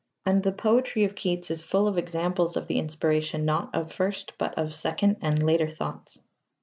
And the poetry of Keats is full of examples of the inspiration not of first but of second and later thoughts.